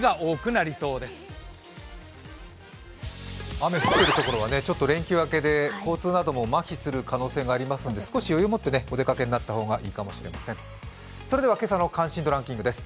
雨降っているところは連休明けで交通などもまひする可能性がありますので、少し余裕を持ってお出かけ担った方がいいかもしれませんそれでは今朝の関心度ランキングです。